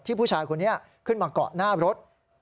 ผู้ชายคนนี้ขึ้นมาเกาะหน้ารถ